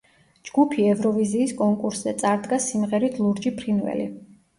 ჯგუფი ევროვიზიის კონკურსზე წარდგა სიმღერით ლურჯი ფრინველი.